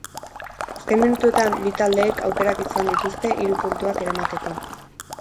Azken minutuetan, bi taldeek aukerak izan dituzte hiru puntuak eramateko.